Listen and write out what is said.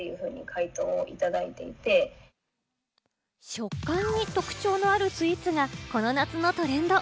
食感に特徴のあるスイーツがこの夏のトレンド。